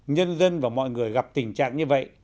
nhân dân và mọi người gặp tình trạng như vậy